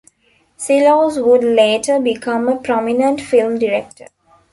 Silos would later become a prominent film director.